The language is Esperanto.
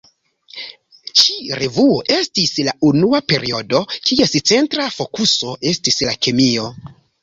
Ĉi-revuo estis la unua periodo kies centra fokuso estis la kemio.